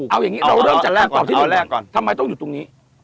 เอาอย่างนี้เราก็เริ่มจัดแลกก่อนทำไมต้องอยู่ตรงนี้